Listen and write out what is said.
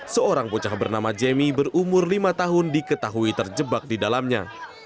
seorang bocah bernama jemmy berumur lima tahun diketahui terjebak di dalamnya